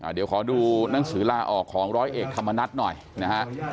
เดี๋ยวขอดูหนังสือลาออกของร้อยเอกธรรมนัฐหน่อยนะฮะ